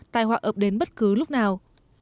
tai họa ập đến bất cứ lúc nào